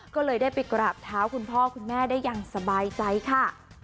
ก็เลยได้ไปกราบเท้าคุณพ่อคุณแม่ได้อย่างสบายใจค่ะ